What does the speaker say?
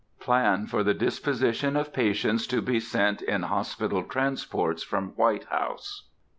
_Plan for the Disposition of Patients to be sent in Hospital Transports from White House.